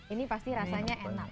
ini pasti rasanya enak